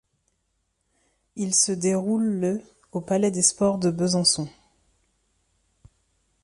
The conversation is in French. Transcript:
Il se déroule le au Palais des sports de Besançon.